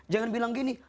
jangan bilang begini